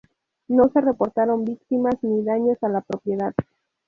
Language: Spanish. No se reportaron víctimas ni daños a la propiedad.